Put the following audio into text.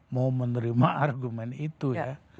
mau menerima argumen itu ya